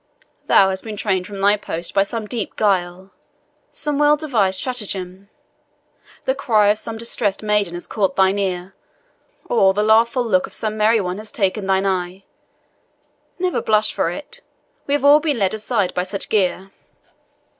Thou hast been trained from thy post by some deep guile some well devised stratagem the cry of some distressed maiden has caught thine ear, or the laughful look of some merry one has taken thine eye. Never blush for it; we have all been led aside by such gear.